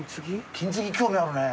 金継ぎ興味あるね。